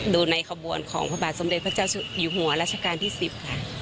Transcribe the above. ดูในขบวนของพระบาทสมเด็จพระเจ้าอยู่หัวราชการที่๑๐ค่ะ